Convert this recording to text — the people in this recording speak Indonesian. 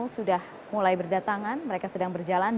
sudah mulai berdatangan mereka sedang berjalan